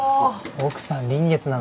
奥さん臨月なのに。